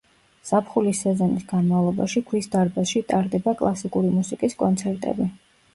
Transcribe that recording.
ზაფხულის სეზონის განმავლობაში, ქვის დარბაზში ტარდება კლასიკური მუსიკის კონცერტები.